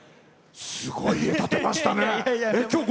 すごい家を建てましたね。